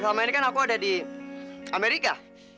selama ini kan aku ada di amerika